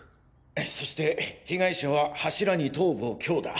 そして被害者は柱に頭部を強打。